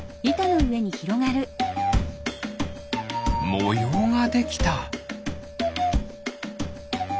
もようができた。